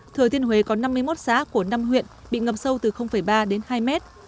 thừa thiên huế có năm mươi một xã của năm huyện bị ngập sâu từ ba đến hai mét